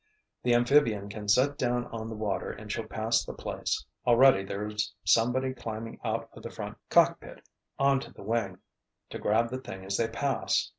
"The amphibian can set down on the water and she'll pass the place—already there's somebody climbing out of the front cockpit onto the wing—to grab the thing as they pass!"